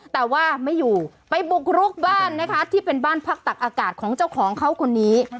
แต่ว่าไม่อยู่ไปบุกรุกบ้านนะคะที่เป็นบ้านพักตักอากาศของเจ้าของเขาคนนี้